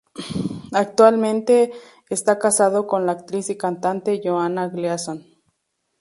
Actualmente está casado con la actriz y cantante Joanna Gleason.